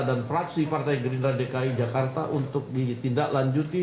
dan fraksi partai gerindra dki jakarta untuk ditindaklanjuti